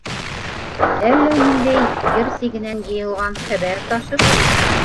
Әллә ниндәй ер сигенән йыйылған хәбәр ташып.